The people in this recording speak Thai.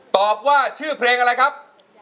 ตอบว่าชื่อเพลงอะไรครับ